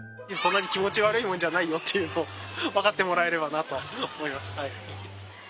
そんなに気持ち悪いもんじゃないよっていうのを分かってもらえればなと思います。